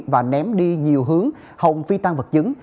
và ném đi nhiều hướng hồng phi tan vật chứng